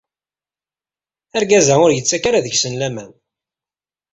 Argaza-a ur yettak ara deg-sen laman.